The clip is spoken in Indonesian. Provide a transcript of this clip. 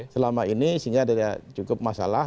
selama ini isinya ada cukup masalah